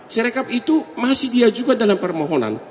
serekap itu masih dia juga dalam permohonan